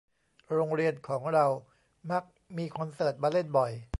โรงเรียนของเรามักมีคอนเสิร์ตมาเล่นบ่อย